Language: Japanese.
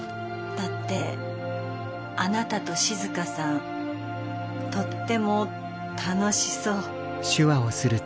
だってあなたと静さんとっても楽しそう。